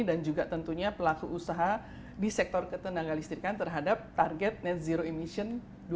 dan juga tentunya pelaku usaha di sektor ketenangan listrikan terhadap target net zero emission dua ribu lima puluh